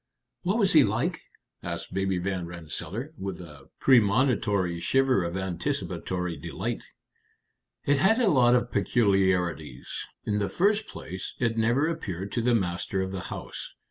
"What was he like?" asked Baby Van Rensselaer, with a premonitory shiver of anticipatory delight. "It had a lot of peculiarities. In the first place, it never appeared to the master of the house.